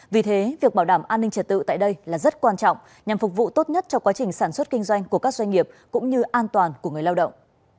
vì thế việc bảo đảm an ninh trật tự tại đây là rất quan trọng nhằm phục vụ tốt nhất cho quá trình sản xuất kinh doanh của các doanh nghiệp cũng như an toàn của người lao động